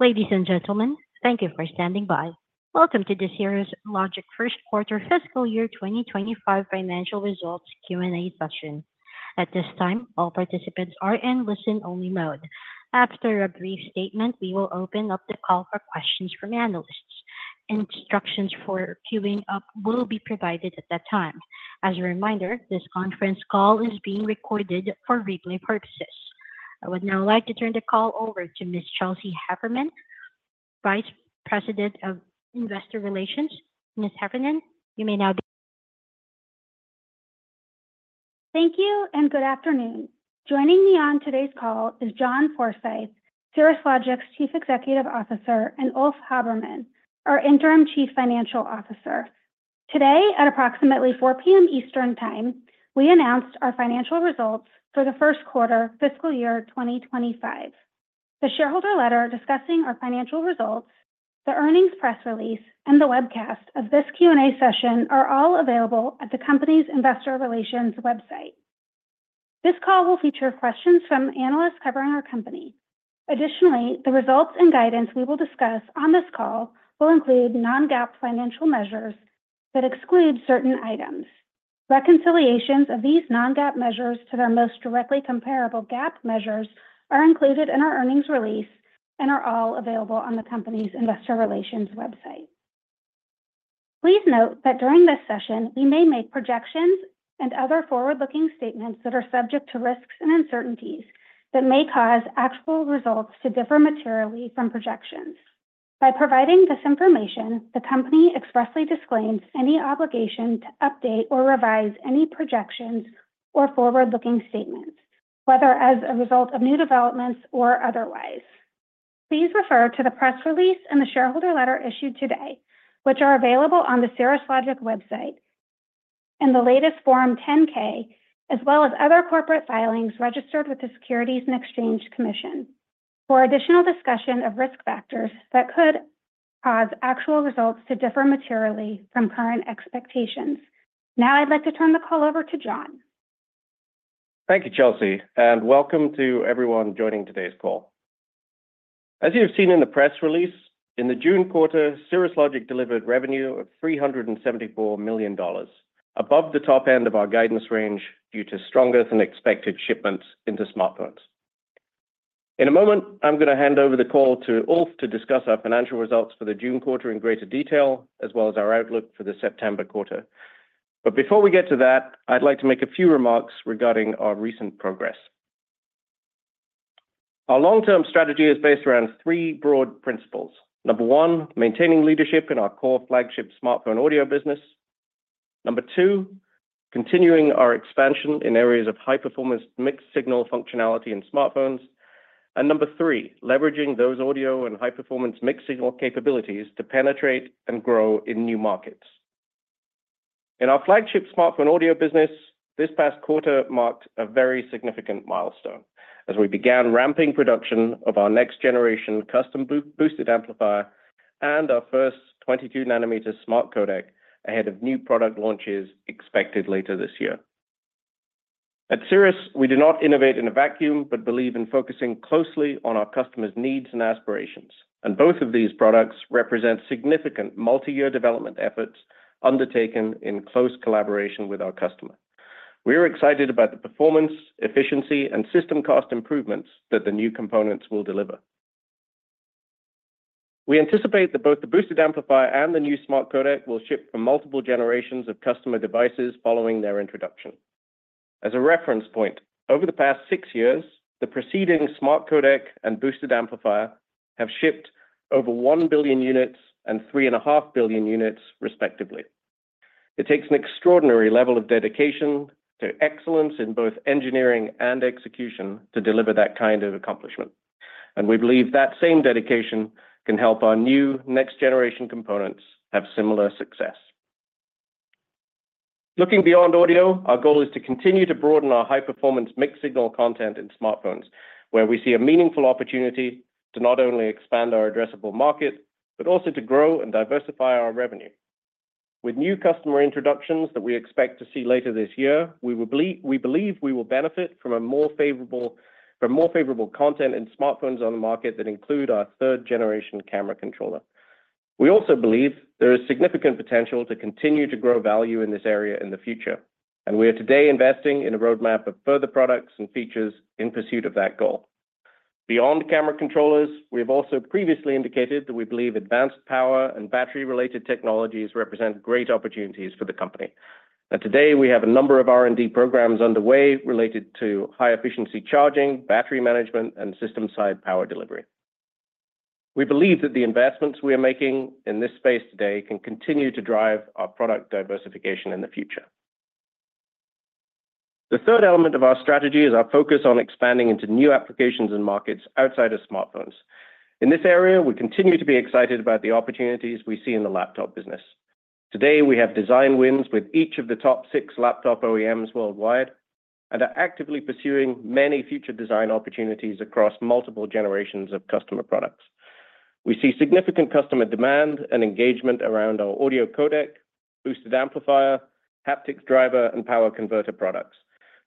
Ladies and gentlemen, thank you for standing by. Welcome to the Cirrus Logic first quarter fiscal year 2025 financial results Q&A session. At this time, all participants are in listen-only mode. After a brief statement, we will open up the call for questions from analysts. Instructions for queuing up will be provided at that time. As a reminder, this conference call is being recorded for replay purposes. I would now like to turn the call over to Ms. Chelsea Heffernan, Vice President of Investor Relations. Ms. Heffernan, you may now begin. Thank you, and good afternoon. Joining me on today's call is John Forsyth, Cirrus Logic's Chief Executive Officer, and Ulf Habermann, our Interim Chief Financial Officer. Today, at approximately 4 P.M. Eastern Time, we announced our financial results for the first quarter fiscal year 2025. The shareholder letter discussing our financial results, the earnings press release, and the webcast of this Q&A session are all available at the company's investor relations website. This call will feature questions from analysts covering our company. Additionally, the results and guidance we will discuss on this call will include non-GAAP financial measures that exclude certain items. Reconciliations of these non-GAAP measures to their most directly comparable GAAP measures are included in our earnings release and are all available on the company's investor relations website. Please note that during this session, we may make projections and other forward-looking statements that are subject to risks and uncertainties that may cause actual results to differ materially from projections. By providing this information, the company expressly disclaims any obligation to update or revise any projections or forward-looking statements, whether as a result of new developments or otherwise. Please refer to the press release and the shareholder letter issued today, which are available on the Cirrus Logic website, and the latest Form 10-K, as well as other corporate filings registered with the Securities and Exchange Commission, for additional discussion of risk factors that could cause actual results to differ materially from current expectations. Now, I'd like to turn the call over to John. Thank you, Chelsea, and welcome to everyone joining today's call. As you have seen in the press release, in the June quarter, Cirrus Logic delivered revenue of $374 million, above the top end of our guidance range, due to stronger than expected shipments into smartphones. In a moment, I'm gonna hand over the call to Ulf to discuss our financial results for the June quarter in greater detail, as well as our outlook for the September quarter. But before we get to that, I'd like to make a few remarks regarding our recent progress. Our long-term strategy is based around three broad principles: number 1, maintaining leadership in our core flagship smartphone audio business. Number 2, continuing our expansion in areas of high-performance mixed-signal functionality in smartphones. And number 3, leveraging those audio and high-performance mixed-signal capabilities to penetrate and grow in new markets. In our flagship smartphone audio business, this past quarter marked a very significant milestone as we began ramping production of our next-generation custom boosted amplifier and our first 22-nanometer smart codec ahead of new product launches expected later this year. At Cirrus, we do not innovate in a vacuum, but believe in focusing closely on our customers' needs and aspirations, and both of these products represent significant multi-year development efforts undertaken in close collaboration with our customer. We are excited about the performance, efficiency, and system cost improvements that the new components will deliver. We anticipate that both the boosted amplifier and the new smart codec will ship from multiple generations of customer devices following their introduction. As a reference point, over the past 6 years, the preceding smart codec and boosted amplifier have shipped over 1 billion units and 3.5 billion units, respectively. It takes an extraordinary level of dedication to excellence in both engineering and execution to deliver that kind of accomplishment, and we believe that same dedication can help our new next-generation components have similar success. Looking beyond audio, our goal is to continue to broaden our high-performance mixed-signal content in smartphones, where we see a meaningful opportunity to not only expand our addressable market, but also to grow and diversify our revenue. With new customer introductions that we expect to see later this year, we believe we will benefit from more favorable content in smartphones on the market that include our third-generation camera controller. We also believe there is significant potential to continue to grow value in this area in the future, and we are today investing in a roadmap of further products and features in pursuit of that goal. Beyond camera controllers, we have also previously indicated that we believe advanced power and battery-related technologies represent great opportunities for the company. And today, we have a number of R&D programs underway related to high-efficiency charging, battery management, and system-side power delivery. We believe that the investments we are making in this space today can continue to drive our product diversification in the future. The third element of our strategy is our focus on expanding into new applications and markets outside of smartphones. In this area, we continue to be excited about the opportunities we see in the laptop business. Today, we have design wins with each of the top six laptop OEMs worldwide, and are actively pursuing many future design opportunities across multiple generations of customer products... We see significant customer demand and engagement around our audio codec, boosted amplifier, haptic driver, and power converter products,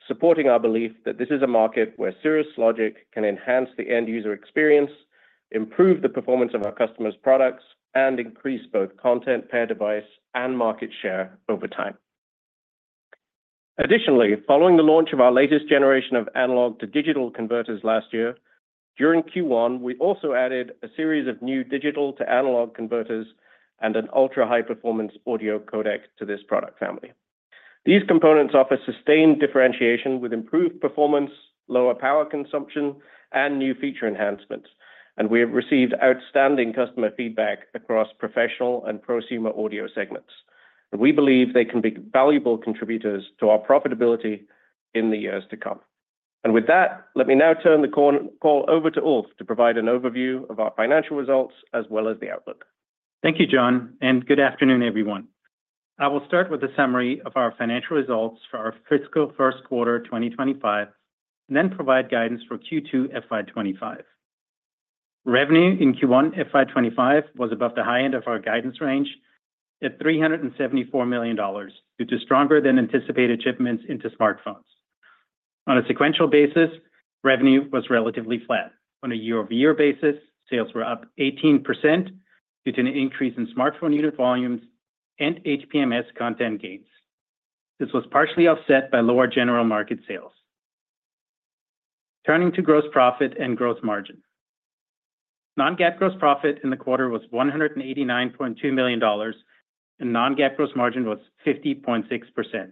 supporting our belief that this is a market where Cirrus Logic can enhance the end-user experience, improve the performance of our customers' products, and increase both content, per device, and market share over time. Additionally, following the launch of our latest generation of analog-to-digital converters last year, during Q1, we also added a series of new digital-to-analog converters and an ultra-high performance audio codec to this product family. These components offer sustained differentiation with improved performance, lower power consumption, and new feature enhancements, and we have received outstanding customer feedback across professional and prosumer audio segments. We believe they can be valuable contributors to our profitability in the years to come. With that, let me now turn the call over to Ulf to provide an overview of our financial results as well as the outlook. Thank you, John, and good afternoon, everyone. I will start with a summary of our financial results for our fiscal first quarter, 2025, and then provide guidance for Q2 FY 2025. Revenue in Q1 FY 2025 was above the high end of our guidance range at $374 million, due to stronger than anticipated shipments into smartphones. On a sequential basis, revenue was relatively flat. On a year-over-year basis, sales were up 18% due to an increase in smartphone unit volumes and HPMS content gains. This was partially offset by lower general market sales. Turning to gross profit and gross margin. Non-GAAP gross profit in the quarter was $189.2 million, and non-GAAP gross margin was 50.6%.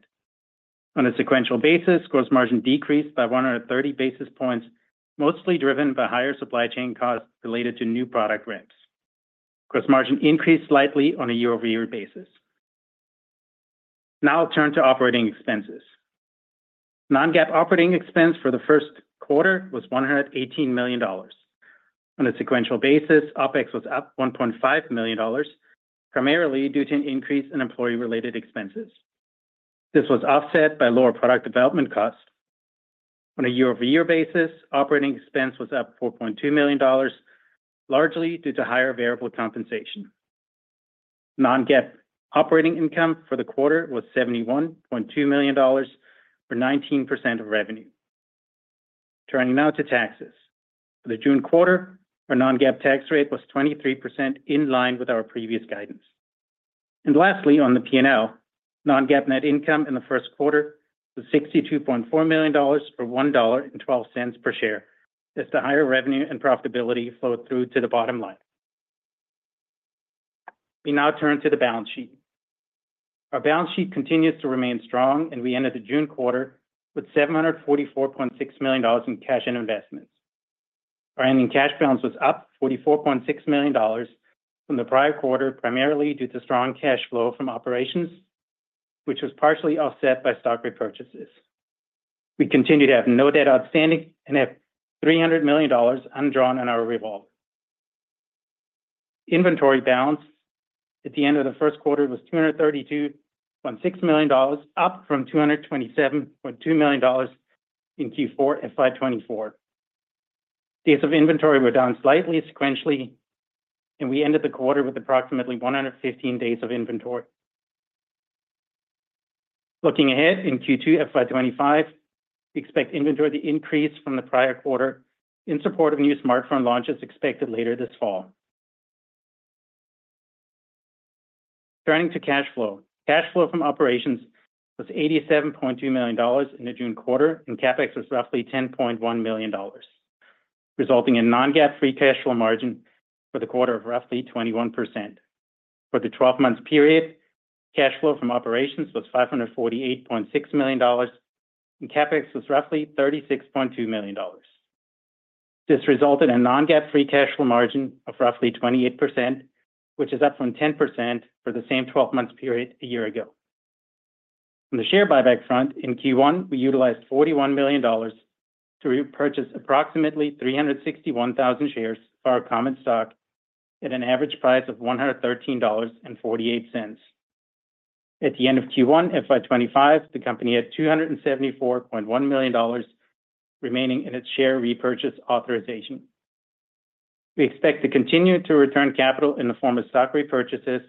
On a sequential basis, gross margin decreased by 130 basis points, mostly driven by higher supply chain costs related to new product ramps. Gross margin increased slightly on a year-over-year basis. Now I'll turn to operating expenses. Non-GAAP operating expense for the first quarter was $118 million. On a sequential basis, OpEx was up $1.5 million, primarily due to an increase in employee-related expenses. This was offset by lower product development costs. On a year-over-year basis, operating expense was up $4.2 million, largely due to higher variable compensation. Non-GAAP operating income for the quarter was $71.2 million, or 19% of revenue. Turning now to taxes. For the June quarter, our non-GAAP tax rate was 23%, in line with our previous guidance. Lastly, on the P&L, non-GAAP net income in the first quarter was $62.4 million for $1.12 per share, as the higher revenue and profitability flowed through to the bottom line. We now turn to the balance sheet. Our balance sheet continues to remain strong, and we ended the June quarter with $744.6 million in cash and investments. Our ending cash balance was up $44.6 million from the prior quarter, primarily due to strong cash flow from operations, which was partially offset by stock repurchases. We continue to have no debt outstanding and have $300 million undrawn on our revolver. Inventory balance at the end of the first quarter was $232.6 million, up from $227.2 million in Q4 FY 2024. Days of inventory were down slightly sequentially, and we ended the quarter with approximately 115 days of inventory. Looking ahead in Q2 FY 2025, we expect inventory to increase from the prior quarter in support of new smartphone launches expected later this fall. Turning to cash flow. Cash flow from operations was $87.2 million in the June quarter, and CapEx was roughly $10.1 million, resulting in non-GAAP free cash flow margin for the quarter of roughly 21%. For the 12-month period, cash flow from operations was $548.6 million, and CapEx was roughly $36.2 million. This resulted in non-GAAP free cash flow margin of roughly 28%, which is up from 10% for the same 12-month period a year ago. On the share buyback front, in Q1, we utilized $41 million to repurchase approximately 361,000 shares of our common stock at an average price of $113.48. At the end of Q1 FY 2025, the company had $274.1 million remaining in its share repurchase authorization. We expect to continue to return capital in the form of stock repurchases,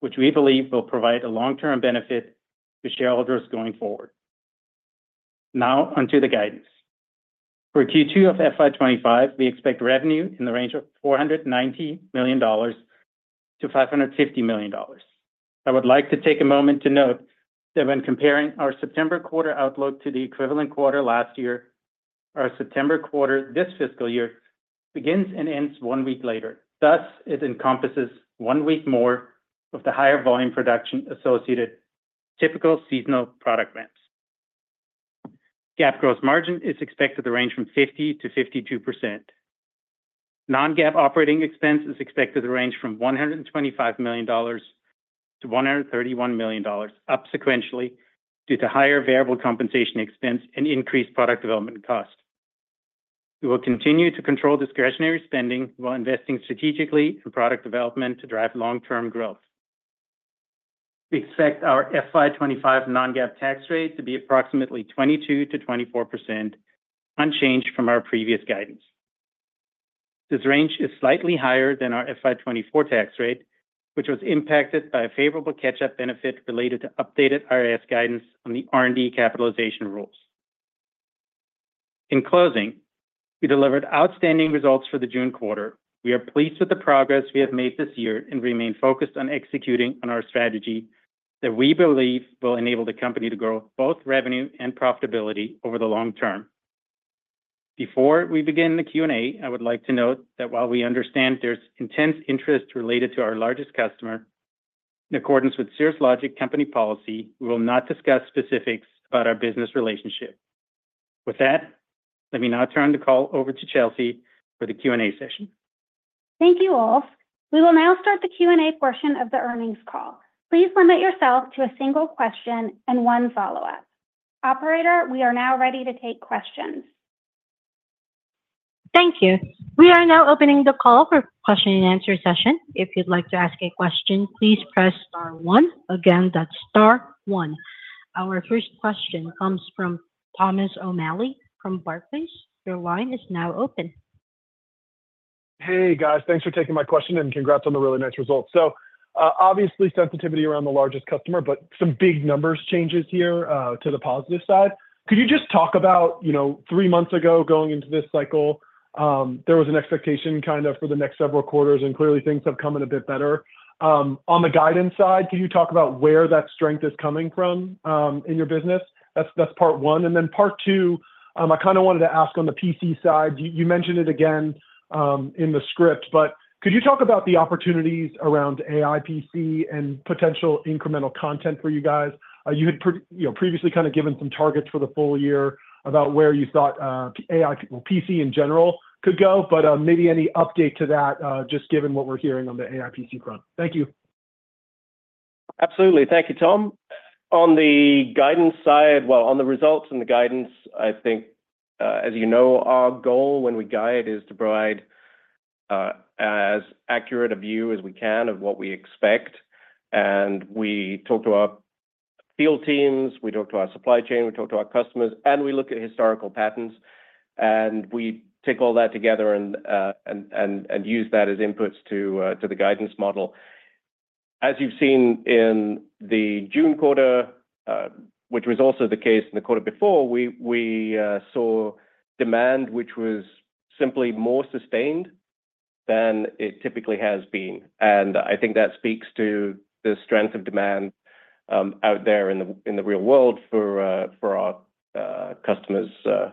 which we believe will provide a long-term benefit to shareholders going forward. Now on to the guidance. For Q2 of FY 2025, we expect revenue in the range of $490 million-$550 million. I would like to take a moment to note that when comparing our September quarter outlook to the equivalent quarter last year, our September quarter this fiscal year begins and ends one week later. Thus, it encompasses one week more of the higher volume production associated typical seasonal product ramps. GAAP gross margin is expected to range from 50%-52%. Non-GAAP operating expense is expected to range from $125 million-$131 million, up sequentially due to higher variable compensation expense and increased product development costs. We will continue to control discretionary spending while investing strategically in product development to drive long-term growth.... We expect our FY 2025 non-GAAP tax rate to be approximately 22%-24%, unchanged from our previous guidance. This range is slightly higher than our FY 2024 tax rate, which was impacted by a favorable catch-up benefit related to updated IRS guidance on the R&D capitalization rules. In closing, we delivered outstanding results for the June quarter. We are pleased with the progress we have made this year and remain focused on executing on our strategy that we believe will enable the company to grow both revenue and profitability over the long term. Before we begin the Q&A, I would like to note that while we understand there's intense interest related to our largest customer, in accordance with Cirrus Logic company policy, we will not discuss specifics about our business relationship. With that, let me now turn the call over to Chelsea for the Q&A session. Thank you, all. We will now start the Q&A portion of the earnings call. Please limit yourself to a single question and one follow-up. Operator, we are now ready to take questions. Thank you. We are now opening the call for question and answer session. If you'd like to ask a question, please press star one. Again, that's star one. Our first question comes from Thomas O'Malley from Barclays. Your line is now open. Hey, guys. Thanks for taking my question, and congrats on the really nice results. So, obviously, sensitivity around the largest customer, but some big numbers changes here, to the positive side. Could you just talk about, you know, three months ago, going into this cycle, there was an expectation kind of for the next several quarters, and clearly things have come in a bit better. On the guidance side, can you talk about where that strength is coming from, in your business? That's, that's part one. And then part two, I kind of wanted to ask on the PC side, you, you mentioned it again, in the script, but could you talk about the opportunities around AI PC and potential incremental content for you guys? You had, you know, previously kind of given some targets for the full year about where you thought, AI, well, PC in general could go, but maybe any update to that, just given what we're hearing on the AI PC front. Thank you. Absolutely. Thank you, Tom. On the guidance side... Well, on the results and the guidance, I think, as you know, our goal when we guide is to provide, as accurate a view as we can of what we expect, and we talk to our field teams, we talk to our supply chain, we talk to our customers, and we look at historical patterns, and we take all that together and use that as inputs to the guidance model. As you've seen in the June quarter, which was also the case in the quarter before, we saw demand, which was simply more sustained than it typically has been, and I think that speaks to the strength of demand, out there in the real world for our customers'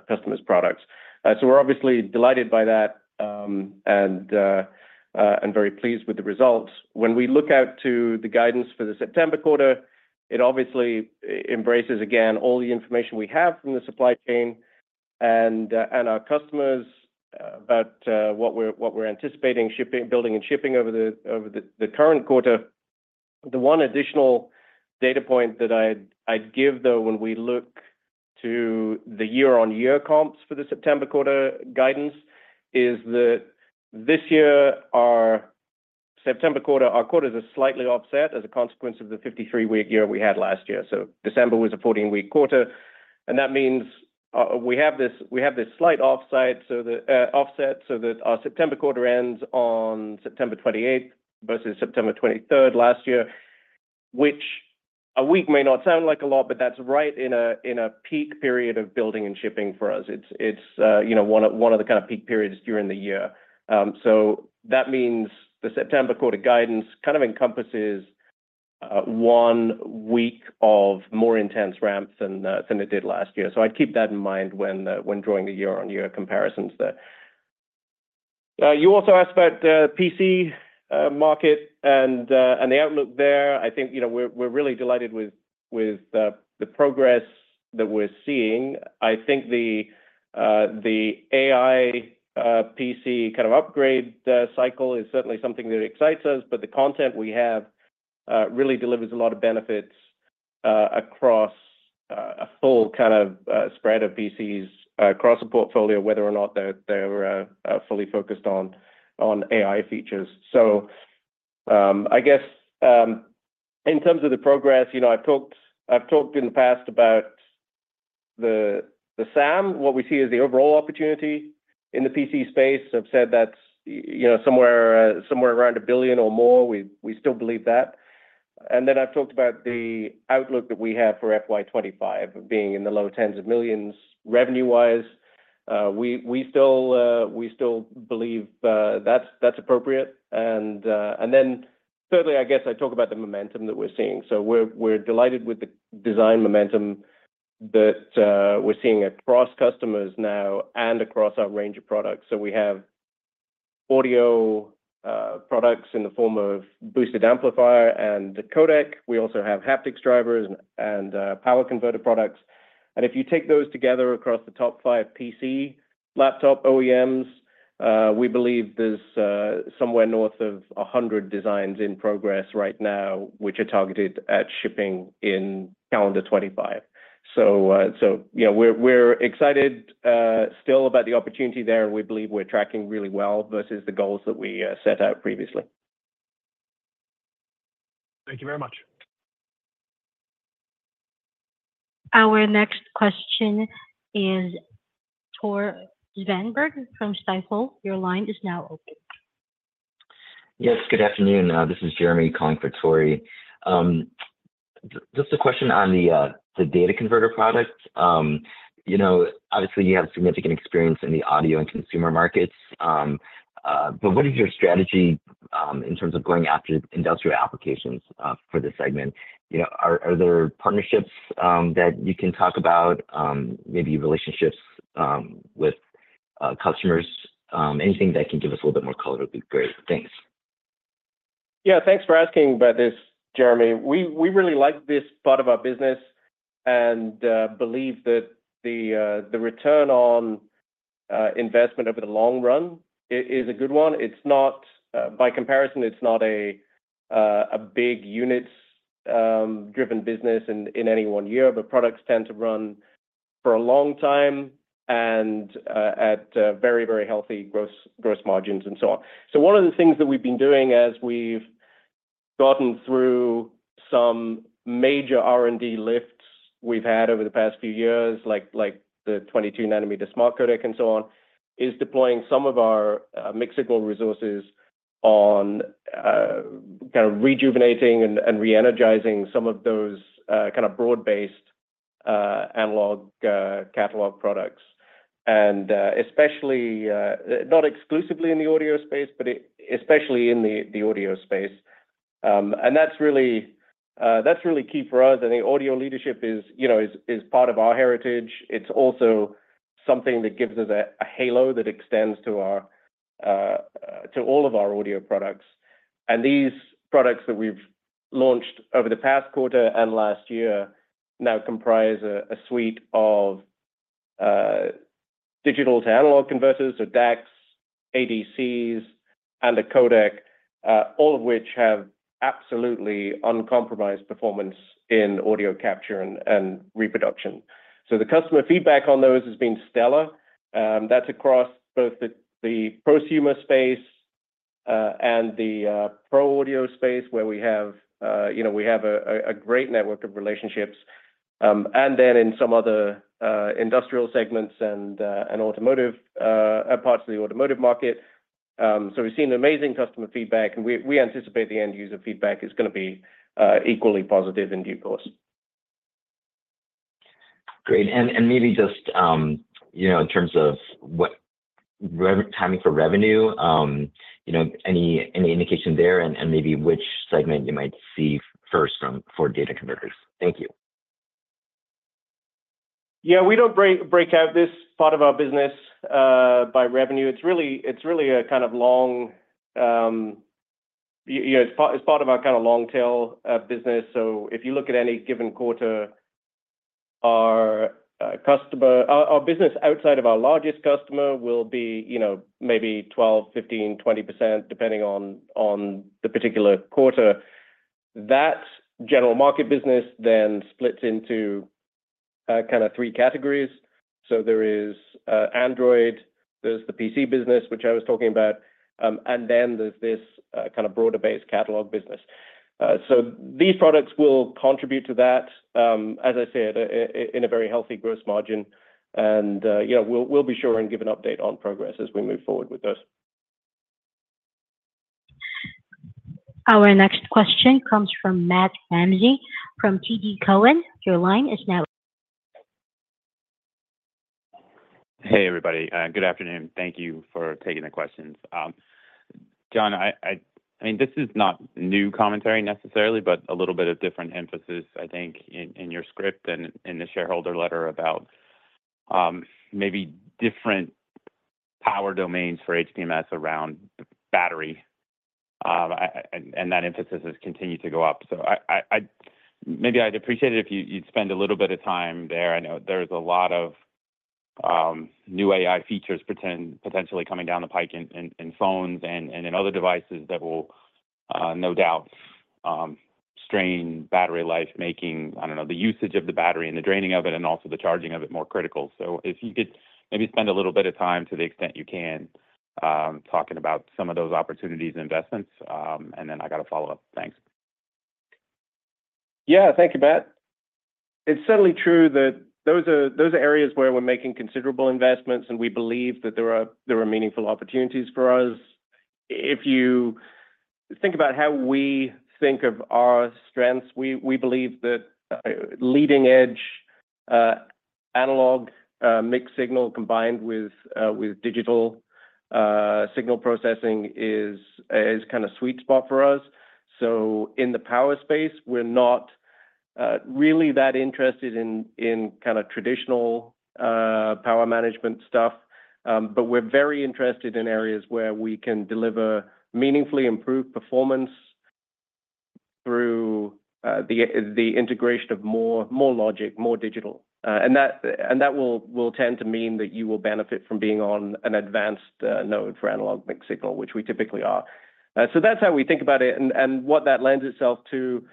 customers' products. So we're obviously delighted by that, and very pleased with the results. When we look out to the guidance for the September quarter, it obviously embraces, again, all the information we have from the supply chain and our customers about what we're anticipating, shipping, building, and shipping over the current quarter. The one additional data point that I'd give, though, when we look to the year-on-year comps for the September quarter guidance, is that this year, our September quarter, our quarters are slightly offset as a consequence of the 53-week year we had last year. So December was a 14-week quarter, and that means, we have this, we have this slight offset, so the offset, so that our September quarter ends on September 28th versus September 23rd last year, which a week may not sound like a lot, but that's right in a, in a peak period of building and shipping for us. It's, it's, you know, one of, one of the kind of peak periods during the year. So that means the September quarter guidance kind of encompasses, one week of more intense ramps than, than it did last year. So I'd keep that in mind when, when drawing the year-on-year comparisons there. You also asked about the PC, market and, and the outlook there. I think, you know, we're, we're really delighted with, with, the progress that we're seeing. I think the AI PC kind of upgrade cycle is certainly something that excites us, but the content we have really delivers a lot of benefits across a full kind of spread of PCs across the portfolio, whether or not they're fully focused on AI features. So, I guess, in terms of the progress, you know, I've talked in the past about the SAM, what we see as the overall opportunity in the PC space. I've said that's, you know, somewhere around $1 billion or more. We still believe that. And then I've talked about the outlook that we have for FY 2025 being in the low tens of millions revenue-wise. We still believe that's appropriate. And then thirdly, I guess I talk about the momentum that we're seeing. So we're delighted with the design momentum that we're seeing across customers now and across our range of products. So we have audio products in the form of boosted amplifier and the codec. We also have haptic drivers and power converter products. And if you take those together across the top five PC laptop OEMs, we believe there's somewhere north of 100 designs in progress right now, which are targeted at shipping in calendar 2025. So, you know, we're excited still about the opportunity there, and we believe we're tracking really well versus the goals that we set out previously. Thank you very much. Our next question is Tore Svanberg from Stifel. Your line is now open. Yes, good afternoon. This is Jeremy calling for Tore. Just a question on the data converter product. You know, obviously, you have significant experience in the audio and consumer markets, but what is your strategy in terms of going after industrial applications for this segment? You know, are there partnerships that you can talk about, maybe relationships with customers? Anything that can give us a little bit more color would be great. Thanks. Yeah, thanks for asking about this, Jeremy. We really like this part of our business and believe that the return on investment over the long run is a good one. It's not, by comparison, it's not a big units driven business in any one year, but products tend to run for a long time and at very healthy gross margins and so on. So one of the things that we've been doing as we've gotten through some major R&D lifts we've had over the past few years, like the 22-nanometer smart codec and so on, is deploying some of our mobile resources on kind of rejuvenating and re-energizing some of those kind of broad-based analog catalog products. Especially, not exclusively in the audio space, but especially in the audio space. That's really key for us. I think audio leadership is, you know, part of our heritage. It's also something that gives us a halo that extends to our to all of our audio products. These products that we've launched over the past quarter and last year now comprise a suite of digital-to-analog converters, so DACs, ADCs, and a codec, all of which have absolutely uncompromised performance in audio capture and reproduction. The customer feedback on those has been stellar. That's across both the prosumer space and the pro audio space, where we have, you know, we have a great network of relationships, and then in some other industrial segments and automotive parts of the automotive market. So we've seen amazing customer feedback, and we anticipate the end user feedback is gonna be equally positive in due course. Great. And maybe just, you know, in terms of revenue timing, you know, any indication there and maybe which segment you might see first for data converters? Thank you. Yeah, we don't break out this part of our business by revenue. It's really a kind of long, you know, it's part of our kind of long tail business. So if you look at any given quarter, our customer—our business outside of our largest customer will be, you know, maybe 12, 15, 20%, depending on the particular quarter. That general market business then splits into kind of three categories. So there is Android, there's the PC business, which I was talking about, and then there's this kind of broader-based catalog business. So these products will contribute to that, as I said, in a very healthy gross margin, and, you know, we'll be sure and give an update on progress as we move forward with this. Our next question comes from Matt Ramsay from TD Cowen. Your line is now- Hey, everybody. Good afternoon. Thank you for taking the questions. John, I mean, this is not new commentary necessarily, but a little bit of different emphasis, I think, in your script and in the shareholder letter about maybe different power domains for HPMS around battery, and that emphasis has continued to go up. So maybe I'd appreciate it if you'd spend a little bit of time there. I know there's a lot of new AI features potentially coming down the pike in phones and in other devices that will, no doubt, strain battery life, making, I don't know, the usage of the battery and the draining of it and also the charging of it more critical. If you could maybe spend a little bit of time to the extent you can, talking about some of those opportunities and investments, and then I got a follow-up. Thanks. Yeah. Thank you, Matt. It's certainly true that those are areas where we're making considerable investments, and we believe that there are meaningful opportunities for us. If you think about how we think of our strengths, we believe that leading edge analog mixed signal combined with digital signal processing is kind of sweet spot for us. So in the power space, we're not really that interested in kind of traditional power management stuff, but we're very interested in areas where we can deliver meaningfully improved performance through the integration of more logic, more digital. And that will tend to mean that you will benefit from being on an advanced node for analog mixed signal, which we typically are. So that's how we think about it, and what that lends itself to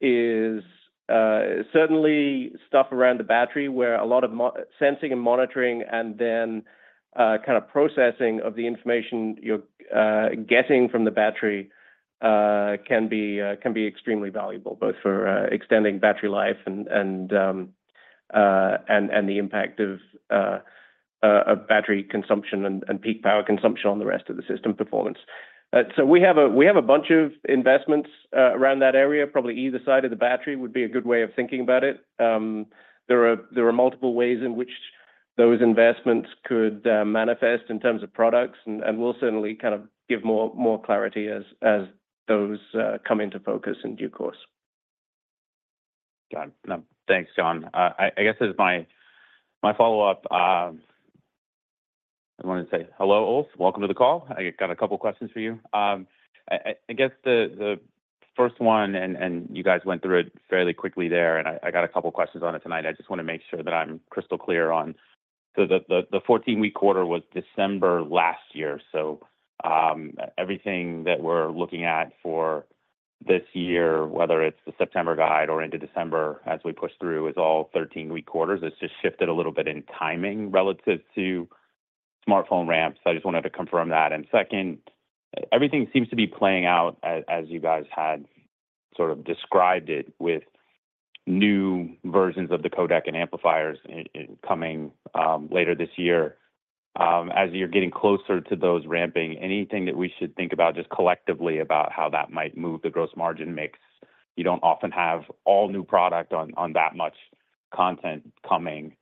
is certainly stuff around the battery, where a lot of sensing and monitoring and then kind of processing of the information you're getting from the battery can be extremely valuable, both for extending battery life and the impact of battery consumption and peak power consumption on the rest of the system performance. So we have a bunch of investments around that area. Probably either side of the battery would be a good way of thinking about it. There are multiple ways in which those investments could manifest in terms of products, and we'll certainly kind of give more clarity as those come into focus in due course. Got it. Now, thanks, John. I guess as my follow-up, I wanted to say hello, Ulf, welcome to the call. I got a couple questions for you. I guess the first one, and you guys went through it fairly quickly there, and I got a couple questions on it tonight. I just wanna make sure that I'm crystal clear on... So the 14-week quarter was December last year, so everything that we're looking at for this year, whether it's the September guide or into December as we push through, is all 13-week quarters. It's just shifted a little bit in timing relative to smartphone ramps. I just wanted to confirm that. Second, everything seems to be playing out as you guys had sort of described it, with new versions of the codec and amplifiers coming later this year. As you're getting closer to those ramping, anything that we should think about, just collectively about how that might move the gross margin mix? You don't often have all new product on that much content coming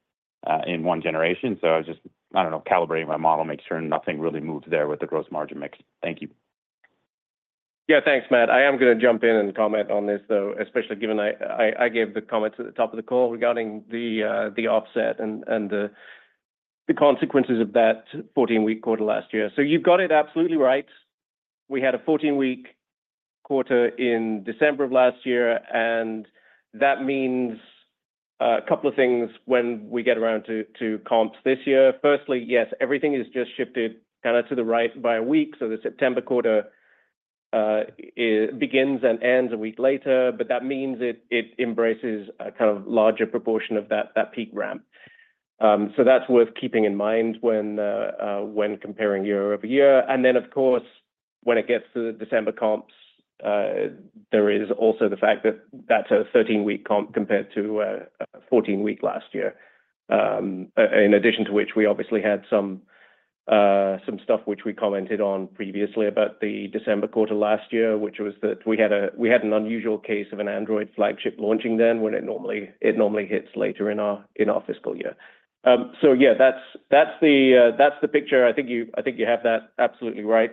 in one generation, so I was just, I don't know, calibrating my model, making sure nothing really moved there with the gross margin mix. Thank you. Yeah, thanks, Matt. I am gonna jump in and comment on this, though, especially given I gave the comments at the top of the call regarding the offset and the consequences of that 14-week quarter last year. So you've got it absolutely right. We had a 14-week quarter in December of last year, and that means a couple of things when we get around to comps this year. Firstly, yes, everything has just shifted kind of to the right by a week, so the September quarter, it begins and ends a week later, but that means it embraces a kind of larger proportion of that peak ramp. So that's worth keeping in mind when comparing year-over-year. And then, of course, when it gets to the December comps, there is also the fact that that's a 13-week comp compared to a 14-week last year. In addition to which, we obviously had some some stuff which we commented on previously about the December quarter last year, which was that we had we had an unusual case of an Android flagship launching then, when it normally hits later in our fiscal year. So yeah, that's that's the picture. I think you have that absolutely right,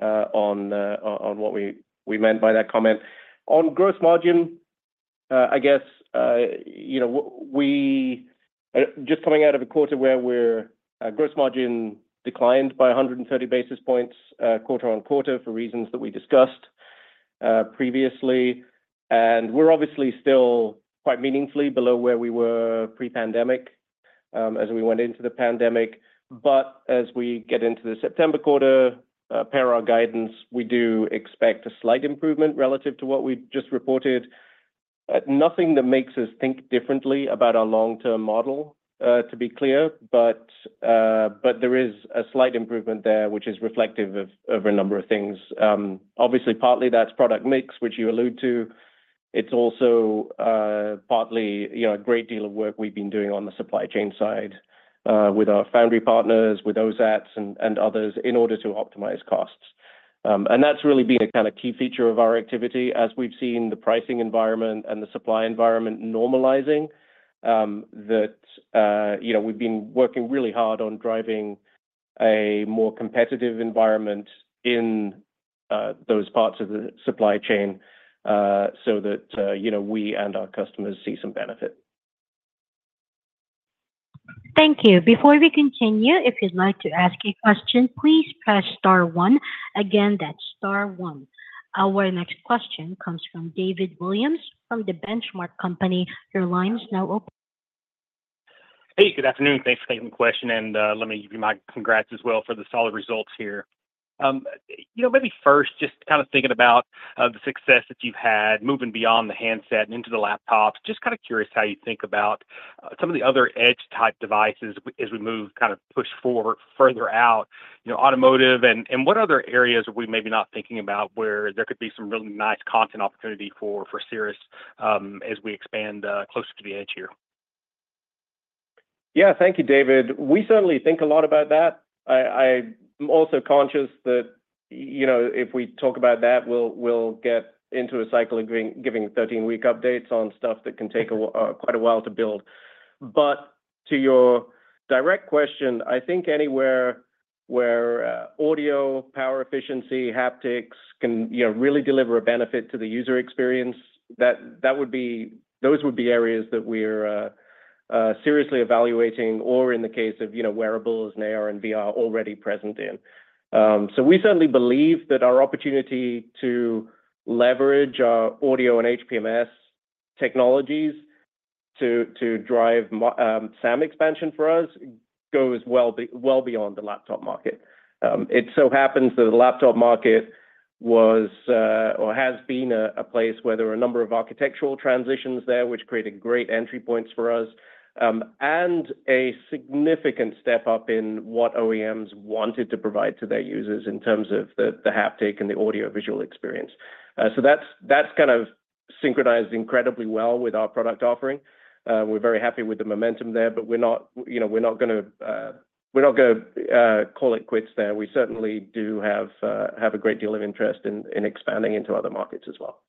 on what we meant by that comment. On gross margin, I guess, you know, we're just coming out of a quarter where our gross margin declined by 130 basis points quarter-over-quarter for reasons that we discussed previously, and we're obviously still quite meaningfully below where we were pre-pandemic, as we went into the pandemic. But as we get into the September quarter, per our guidance, we do expect a slight improvement relative to what we just reported. Nothing that makes us think differently about our long-term model, to be clear, but there is a slight improvement there, which is reflective of a number of things. Obviously, partly that's product mix, which you allude to. It's also partly, you know, a great deal of work we've been doing on the supply chain side, with our foundry partners, with OSATs and others, in order to optimize costs. And that's really been a kind of key feature of our activity, as we've seen the pricing environment and the supply environment normalizing, that you know, we've been working really hard on driving a more competitive environment in those parts of the supply chain, so that you know, we and our customers see some benefit. Thank you. Before we continue, if you'd like to ask a question, please press star one. Again, that's star one. Our next question comes from David Williams from The Benchmark Company. Your line is now open. Hey, good afternoon. Thanks for taking the question, and let me give you my congrats as well for the solid results here. You know, maybe first, just kind of thinking about the success that you've had moving beyond the handset and into the laptops, just kind of curious how you think about some of the other edge-type devices as we move, kind of push forward further out, you know, automotive and what other areas are we maybe not thinking about where there could be some really nice content opportunity for Cirrus as we expand closer to the edge here? Yeah. Thank you, David. We certainly think a lot about that. I'm also conscious that, you know, if we talk about that, we'll get into a cycle of giving 13-week updates on stuff that can take quite a while to build. But to your direct question, I think anywhere where audio, power efficiency, haptics can, you know, really deliver a benefit to the user experience, that would be, those would be areas that we're seriously evaluating or in the case of, you know, wearables and AR and VR, already present in. So we certainly believe that our opportunity to leverage our audio and HPMS technologies to drive SAM expansion for us goes well beyond the laptop market. It so happens that the laptop market was or has been a place where there were a number of architectural transitions there, which created great entry points for us, and a significant step up in what OEMs wanted to provide to their users in terms of the haptic and the audio-visual experience. So that's kind of synchronized incredibly well with our product offering. We're very happy with the momentum there, but we're not, you know, we're not gonna, we're not gonna call it quits there. We certainly do have a great deal of interest in expanding into other markets as well.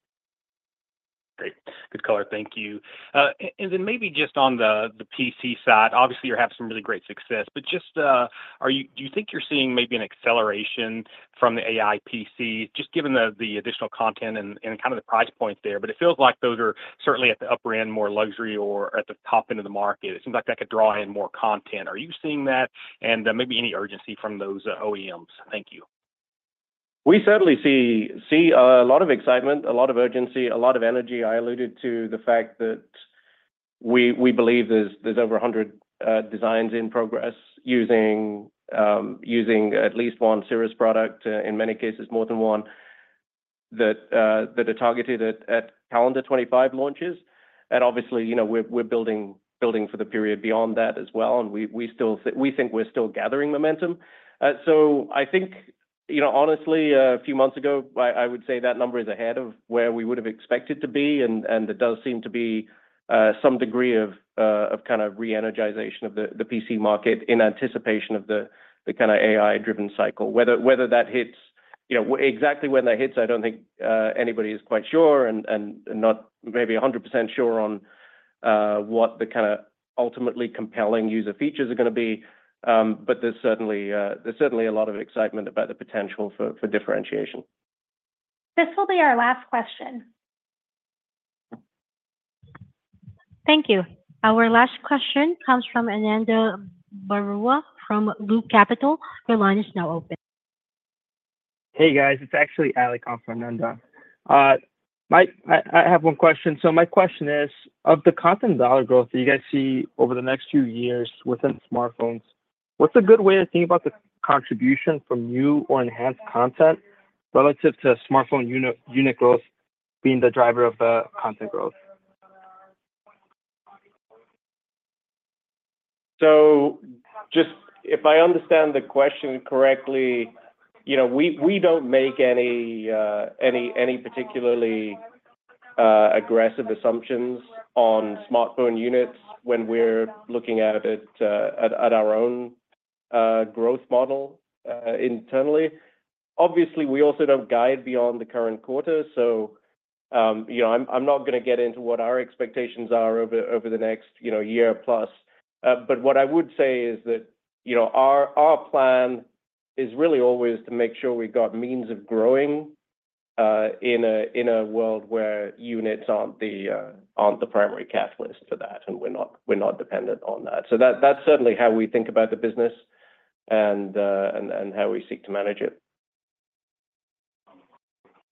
Great. Good color. Thank you. And then maybe just on the PC side, obviously, you're having some really great success, but just, do you think you're seeing maybe an acceleration from the AI PC, just given the additional content and kind of the price points there? But it feels like those are certainly at the upper end, more luxury or at the top end of the market. It seems like that could draw in more content. Are you seeing that? And maybe any urgency from those OEMs. Thank you. We certainly see a lot of excitement, a lot of urgency, a lot of energy. I alluded to the fact that we believe there's over 100 designs in progress using at least one Cirrus product, in many cases more than one, that are targeted at calendar 2025 launches. And obviously, you know, we're building for the period beyond that as well, and we still think we're still gathering momentum. So I think, you know, honestly, a few months ago, I would say that number is ahead of where we would have expected to be, and it does seem to be some degree of kind of re-energization of the PC market in anticipation of the kind of AI-driven cycle. Whether that hits... You know, exactly when that hits, I don't think anybody is quite sure, and not maybe 100% sure on what the kinda ultimately compelling user features are gonna be, but there's certainly a lot of excitement about the potential for differentiation. This will be our last question. Thank you. Our last question comes from Ananda Baruah from Loop Capital. Your line is now open. Hey, guys. It's actually Ali calling from Ananda. I have one question. So my question is, of the content dollar growth that you guys see over the next few years within smartphones, what's a good way to think about the contribution from new or enhanced content relative to smartphone unit growth being the driver of the content growth? So just if I understand the question correctly, you know, we don't make any particularly aggressive assumptions on smartphone units when we're looking at it, at our own growth model internally. Obviously, we also don't guide beyond the current quarter, so, you know, I'm not gonna get into what our expectations are over the next, you know, year plus. But what I would say is that, you know, our plan is really always to make sure we got means of growing in a world where units aren't the primary catalyst for that, and we're not dependent on that. So that's certainly how we think about the business and how we seek to manage it.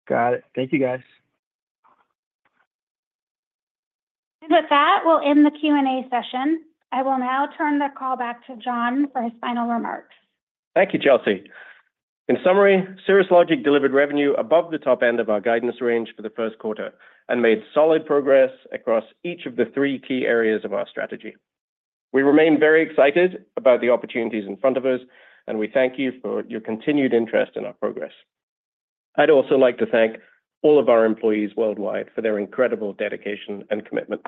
Got it. Thank you, guys. With that, we'll end the Q&A session. I will now turn the call back to John for his final remarks. Thank you, Chelsea. In summary, Cirrus Logic delivered revenue above the top end of our guidance range for the first quarter and made solid progress across each of the three key areas of our strategy. We remain very excited about the opportunities in front of us, and we thank you for your continued interest in our progress. I'd also like to thank all of our employees worldwide for their incredible dedication and commitment.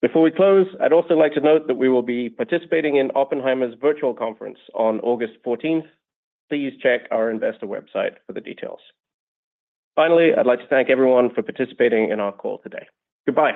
Before we close, I'd also like to note that we will be participating in Oppenheimer's Virtual Conference on August fourteenth. Please check our investor website for the details. Finally, I'd like to thank everyone for participating in our call today. Goodbye.